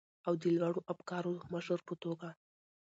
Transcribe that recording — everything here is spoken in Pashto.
او د لوړو افکارو مشر په توګه،